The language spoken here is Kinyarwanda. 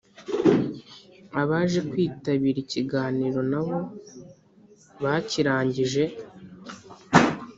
abaje kwitabira ikiganiro nabo bakirangije